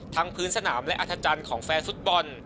พื้นสนามและอัธจันทร์ของแฟนฟุตบอล